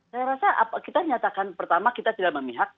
saya rasa kita nyatakan pertama kita tidak memihak